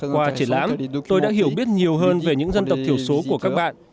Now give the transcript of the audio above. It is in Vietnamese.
qua triển lãm tôi đã hiểu biết nhiều hơn về những dân tộc thiểu số của các bạn